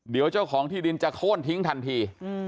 เดี๋ยวเจ้าของที่ดินจะโค้นทิ้งทันที